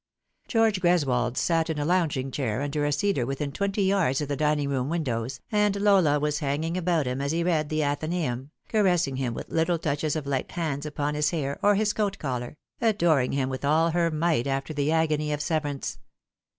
George Greswold sat in a lounging chair under a cedar within twenty yards of the dining room windows, and Lola was hanging about him as he read the Athenceum, caressing him with little touches of light hands upon his hair or his coat collar, adoring him with all her might after the agony of severance.